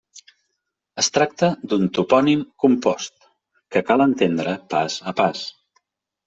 Es tracta d'un topònim compost, que cal entendre pas a pas.